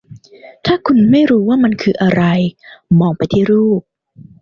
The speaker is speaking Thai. ถ้าคุณไม่รู้ว่ามันคืออะไร มองไปที่รูป